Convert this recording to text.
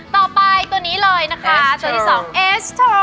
ต่อไปตัวนี้เลยนะคะตัวที่๒เอสโทร๑๒๓